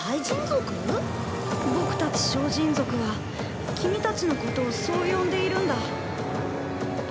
ボクたち小人族はキミたちのことをそう呼んでいるんだ。